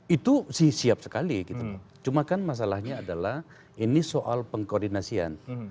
itu sih siap sekali gitu cuma kan masalahnya adalah ini soal pengkoordinasian